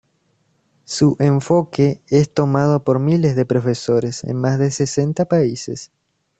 Su enfoque es tomado por miles de profesores en más de sesenta países.